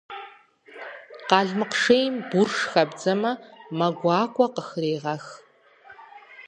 Къалмыкъ шейм бурш хэбдзэмэ, мэ гуакӏуэ къыхрегъэх.